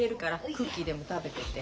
クッキーでも食べてて。